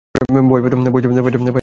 ভয় হইত, পাছে কেহ প্রত্যাখ্যান করে।